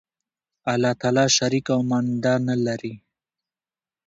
الله تعالی شریک او ماننده نه لری